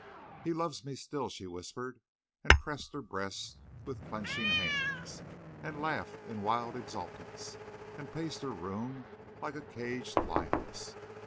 "He loves me still!" she whispered, and pressed her breast with clenching hands, and laughed in wild exultance, and paced her room like a caged lioness.